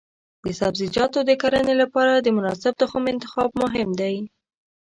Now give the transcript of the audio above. د سبزیجاتو د کرنې لپاره د مناسب تخم انتخاب مهم دی.